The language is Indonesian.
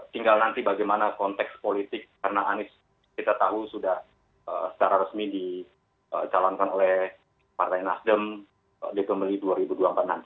tinggal nanti bagaimana konteks politik karena anies kita tahu sudah secara resmi dicalonkan oleh partai nasdem di pemilih dua ribu dua puluh empat nanti